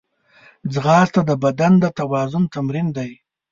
ځغاسته د بدن د توازن تمرین دی